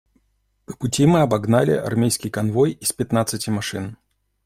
По пути мы обогнали армейский конвой из пятнадцати машин.